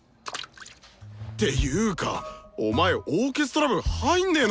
ていうかお前オーケストラ部入んねえのかよ！